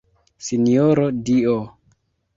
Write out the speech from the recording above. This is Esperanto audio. Sinjoro Dio!